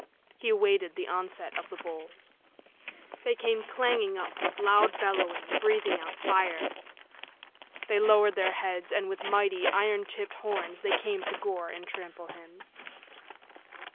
He awaited the onset of the bulls. They came clanging up with loud bellowing, breathing out fire. They lowered their heads, and with mighty, iron tipped horns they came to gore and trample him.